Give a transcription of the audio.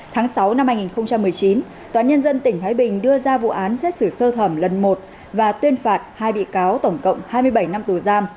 tháng sáu năm hai nghìn một mươi chín tòa nhân dân tỉnh thái bình đưa ra vụ án xét xử sơ thẩm lần một và tuyên phạt hai bị cáo tổng cộng hai mươi bảy năm tù giam